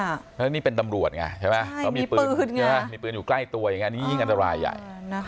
แล้วนี่เป็นตำรวจไงใช่ไหมมีปืนอยู่ใกล้ตัวยิ่งอันตรายใหญ่